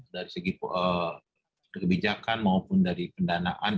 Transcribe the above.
dari segi kebijakan maupun dari pendanaan